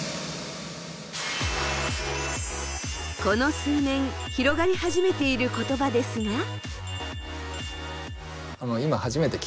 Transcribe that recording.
この数年広がり始めている言葉ですが。